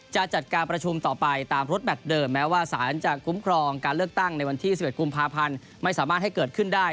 จะจัดการประชุมต่อไปตามรถแมทเดิมแม้ว่าสารจะคุ้มครองการเลือกตั้งในวันที่๑๑กุมภาพันธ์ไม่สามารถให้เกิดขึ้นได้